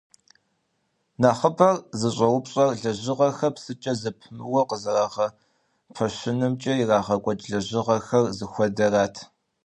Нэхъыбэр зыщӀэупщӀэр жылэхэр псыкӀэ зэпымыууэ къызэгъэпэщынымкӀэ ирагъэкӀуэкӀ лэжьыгъэхэр зыхуэдэрат.